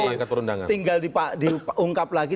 sekarang mau tinggal diungkap lagi